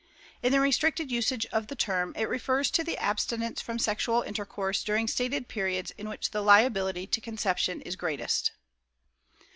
In the restricted usage of the term, it refers to the abstinence from sexual intercourse during stated periods in which the liability to conception is greatest.